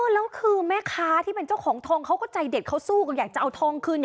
แล้วคือแม่ค้าที่เป็นเจ้าของทองเขาก็ใจเด็ดเขาสู้กันอยากจะเอาทองคืน